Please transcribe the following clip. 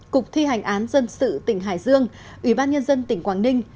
cục thi hành án dân sự tỉnh hải dương ủy ban nhân dân tỉnh quảng ninh